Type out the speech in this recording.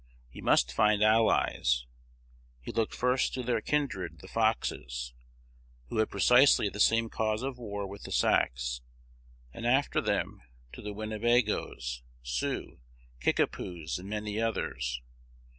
He must find allies. He looked first to their kindred, the Foxes, who had precisely the same cause of war with the Sacs, and after them to the Winnebagoes, Sioux, Kickapoos, and many others.